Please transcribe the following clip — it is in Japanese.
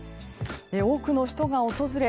多くの人が訪れ